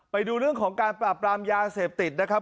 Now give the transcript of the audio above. ไปดูเรื่องของการปราบปรามยาเสพติดนะครับ